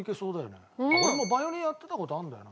俺もヴァイオリンやってた事あるんだよな